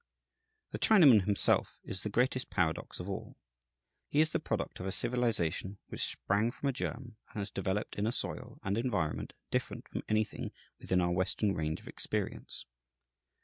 The Chinaman himself is the greatest paradox of all. He is the product of a civilization which sprang from a germ and has developed in a soil and environment different from anything within our Western range of experience.